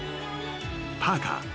パーカー。